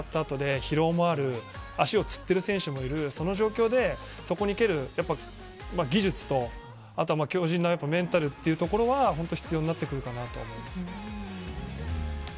ただ、１２０分戦った後で疲労もある足をつっている選手もいる状況でそこに技術と強靱なメンタルというところは本当に必要になってくるかなとは思います。